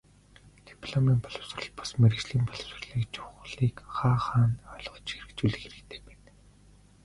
Дипломын боловсрол бус, мэргэжлийн боловсролыг чухлыг хаа хаанаа ойлгож хэрэгжүүлэх хэрэгтэй байна.